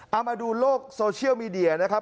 เอามาดูโลกโซเชียลมีเดียนะครับ